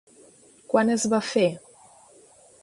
Quan es va fer?